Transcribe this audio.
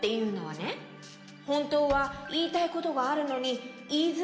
ほんとうはいいたいことがあるのにいいづらい。